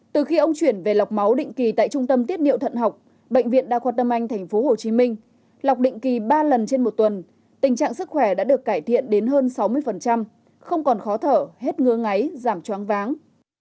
từ khi ông chuyển về lọc máu định kỳ tại trung tâm tiết niệm thận học bệnh viện đa khoa tâm anh tp hcm lọc định kỳ ba lần trên một tuần tình trạng sức khỏe đã được cải thiện đến hơn sáu mươi không còn khó thở hết ngứa ngáy giảm choáng váng